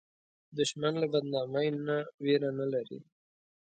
دښمن له بدنامۍ نه ویره نه لري